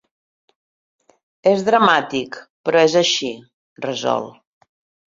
És dramàtic, però és així, resol.